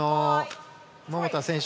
桃田選手